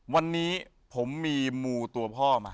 วันนี้ผมมีมูตัวพ่อมา